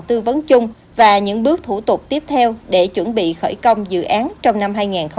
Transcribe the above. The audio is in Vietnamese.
tư vấn chung và những bước thủ tục tiếp theo để chuẩn bị khởi công dự án trong năm hai nghìn hai mươi